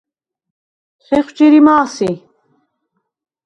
ხეხვ ჯირიმა̄ სი?